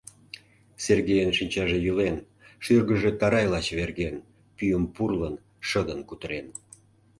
Сергейын шинчаже йӱлен, шӱргыжӧ тарайла чеверген, пӱйым пурлын, шыдын кутырен.